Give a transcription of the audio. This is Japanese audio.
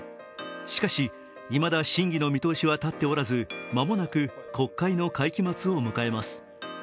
しかし、いまだ審議の見通しは立っておらず間もなく国会の会期末を迎えます。